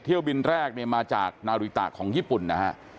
เที่ยวบินแรกเนี่ยมาจากนาริตะของญี่ปุ่นนะฮะ